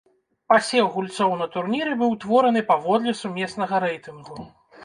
Пасеў гульцоў на турніры быў утвораны паводле сумеснага рэйтынгу.